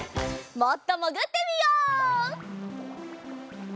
もっともぐってみよう。